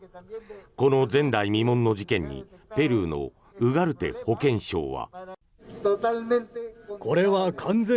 この前代未聞の事件にペルーのウガルテ保健相は。